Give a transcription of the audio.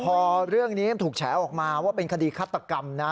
พอเรื่องนี้มันถูกแฉออกมาว่าเป็นคดีฆาตกรรมนะ